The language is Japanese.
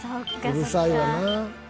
うるさいよな。